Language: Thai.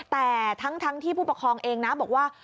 แต่ทั้งที่ผู้ปกครองเองนะบอกว่า